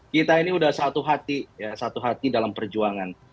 kita ini sudah satu hati ya satu hati dalam perjuangan